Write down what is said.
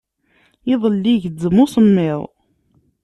Iḍelli igezzem usemmiḍ.